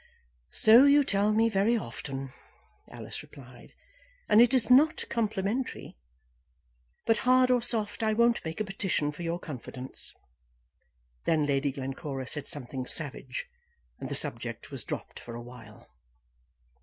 "So you tell me very often," Alice replied; "and it is not complimentary. But hard or soft, I won't make a petition for your confidence." Then Lady Glencora said something savage, and the subject was dropped for a while.